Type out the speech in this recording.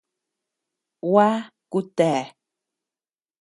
Gua, kutea.